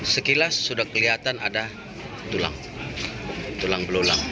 sekilas sudah kelihatan ada tulang tulang belulang